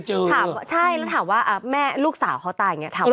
ถามว่าใช่แล้วถามว่าแม่ลูกสาวเขาตายอย่างนี้